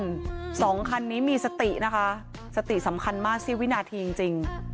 ไม่ทัน๒คันนี้มีสตินะคะสติสำคัญมากสิวินาทีจริง